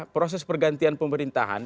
proses pergantian pemerintahan